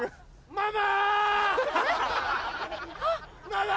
ママ！